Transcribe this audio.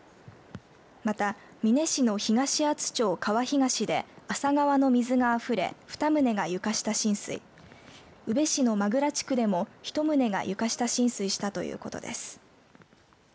また美祢市の東厚町川東で厚狭川の水があふれ２棟が床下浸水宇部市の万倉地区でも１棟が床上した浸水したということです。